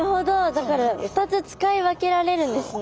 だから２つ使い分けられるんですね。